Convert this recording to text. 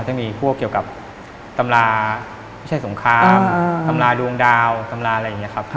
จะมีพวกเกี่ยวกับตำราไม่ใช่สงครามตำราดวงดาวตำราอะไรอย่างนี้ครับ